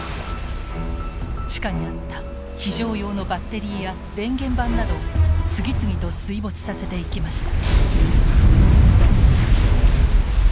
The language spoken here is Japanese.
地下にあった非常用のバッテリーや電源盤などを次々と水没させていきました。